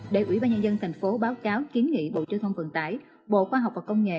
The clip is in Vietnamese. để ủy ban nhân dân tp hcm báo cáo kiến nghị bộ giao thông vận tải bộ khoa học và công nghệ